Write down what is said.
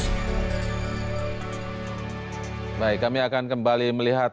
hai baik kami akan kembali melihat